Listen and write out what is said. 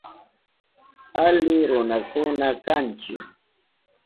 Ali runakuna kanchi.